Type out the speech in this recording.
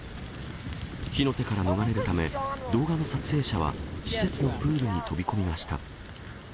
火の手から逃れるため、動画の撮影者は施設のプールに飛び込みました。